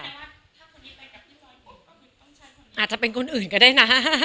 อาจจะเป็นคนอื่นก็ได้นะ